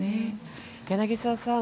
柳澤さん